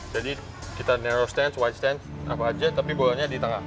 jadi kita narrow stance wide stance apa saja tapi bolanya di tengah